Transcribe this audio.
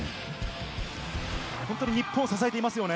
本当に日本を支えていますよね。